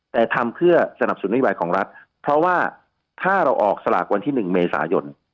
แต่ทำเพื่อสนับสนนโยบายของรัฐเพราะว่าถ้าเราออกสลากวันที่๑เมษายน